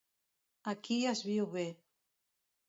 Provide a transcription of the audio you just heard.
Aquí es viu bé.